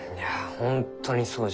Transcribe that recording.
本当にそうじゃ。